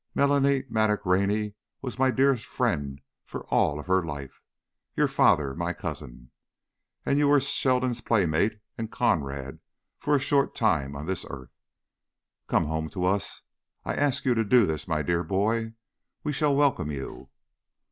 Melanie Mattock Rennie was my dearest friend for all of her life, your father, my cousin. And you were Sheldon's playmate and comrade for his short time on this earth. Come home to us, I ask you to do this, my dear boy. We shall welcome you.